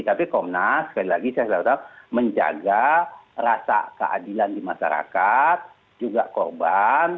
tapi komnas sekali lagi saya selalu bilang menjaga rasa keadilan di masyarakat juga korban